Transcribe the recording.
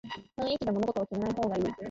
雰囲気で物事を決めない方がいい